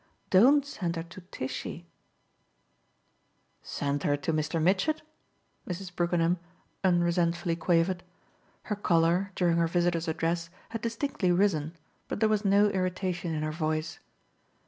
Don't send her to Tishy " "Send her to Mr. Mitchett?" Mrs. Brookenham unresentfully quavered. Her colour, during her visitor's address had distinctly risen, but there was no irritation in her voice.